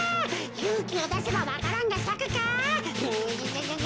ゆうきをだせばわか蘭がさくか？